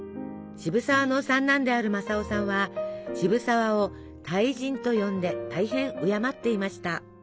渋沢の三男である正雄さんは渋沢を大人と呼んで大変敬っていました。